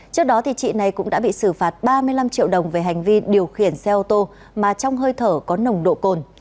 trước đó chị này cũng đã bị xử phạt ba mươi năm triệu đồng về hành vi điều khiển xe ô tô mà trong hơi thở có nồng độ cồn